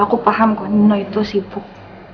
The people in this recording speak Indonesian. aku paham kok no itu sibuk